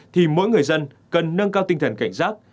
thì mỗi người dân cần nâng cao tinh thần cảnh giác